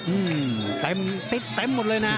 อืมติดเต็มหมดเลยน่ะ